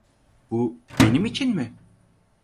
Bu benim için mi?